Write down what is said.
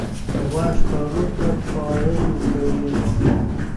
غوږ تالو ته پایل کوي.